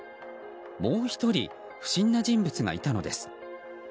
もう１人不審な人物がいたのです。